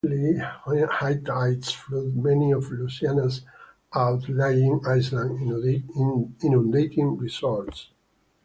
The anomalously high tides flooded many of Louisiana's outlying islands, inundating resorts.